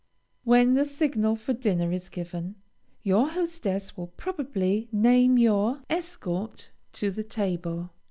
When the signal for dinner is given, your hostess will probably name your escort to the table.